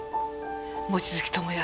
望月友也